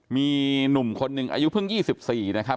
มีหนุ่มคนหนึ่งอายุเพิ่ง๒๔นะครับ